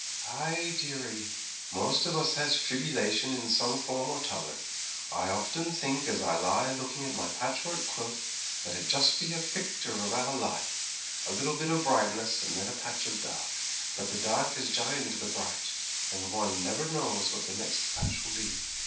'Ay, dearie, most of us has tribbylation in some form or t'other; I often think, as I lie lookin' at my patchwork quilt, that it be just a pictur' of our life a little bit o' brightness and then a patch of dark; but the dark is jined to the bright, and one never knows just what the next patch will be.